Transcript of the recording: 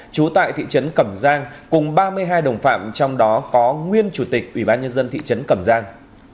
trú tại thị trấn cầm giang cùng ba mươi hai đồng phạm trong đó có nguyên chủ tịch ubnd thị trấn cầm giang